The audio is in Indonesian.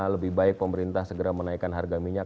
lebih baik pemerintah segera menaikkan harga minyak